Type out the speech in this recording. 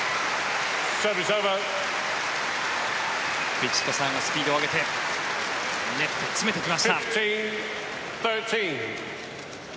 ヴィチットサーンがスピードを上げてネット、詰めてきました。